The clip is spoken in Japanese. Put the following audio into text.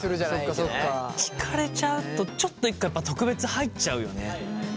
聞かれちゃうとちょっと一回特別入っちゃうよね。